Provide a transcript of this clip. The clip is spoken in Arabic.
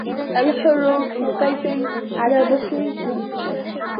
الْحُرُّ بْنُ قَيْسٍ عَلَى بُخْلٍ فِيهِ